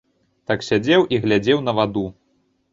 Так сядзеў і глядзеў на ваду.